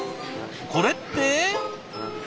これって？